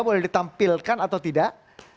boleh ditampilkan atau tidak